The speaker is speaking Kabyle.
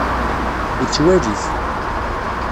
Yettwali-t.